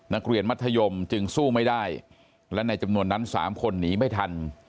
นักเรียนมัธยมจึงสู้ไม่ได้และในจำนวนนั้น๓คนหนีไม่ทัน